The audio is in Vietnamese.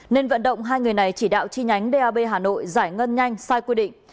nên vận động hai người này chỉ đạo chi nhánh dap hà nội giải ngân nhanh sai quy định